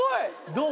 どう？